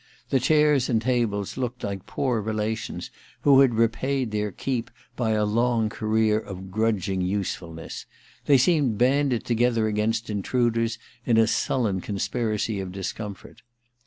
The chairs and tables looked like poor relations who had repaid their keep by a long career of grudging usefulness : they seemed banded together against intruders in a sullen conspiracy of discomfort.